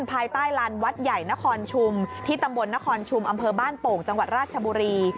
ภายใต้ลานวัดใหญ่นครชุมที่ตำบลนครชุมอำเภอบ้านโป่งจังหวัดราชบุรี